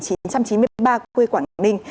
khi các đối tượng đang trên đường bỏ trốn